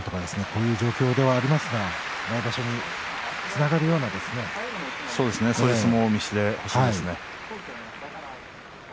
こういう状況ではありますが明日の相撲につながるような相撲を見せてほしいですね。